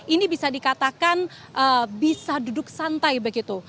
ini bisa dikatakan bisa duduk santai begitu